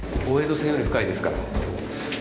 大江戸線より深いですから。